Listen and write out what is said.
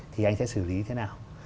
thì anh sẽ xử lý thế nào